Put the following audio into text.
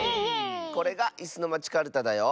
これが「いすのまちカルタ」だよ。